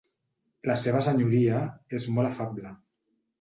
La seva senyoria és molt afable.